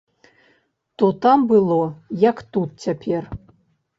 То там было, як тут цяпер.